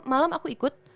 malem aku ikut